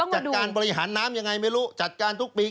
จัดการบริหารน้ำยังไงไม่รู้จัดการทุกปี